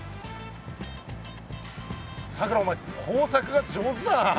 さくらお前工作が上手だな。